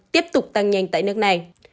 tiếp tục tăng nhanh tại nước này